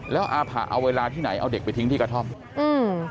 แล้วอาผะเอาเวลาที่ไหนเอาเด็กไปทิ้งที่กระท่อมอืม